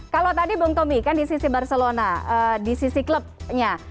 kalau tadi bung tommy kan di sisi barcelona di sisi klubnya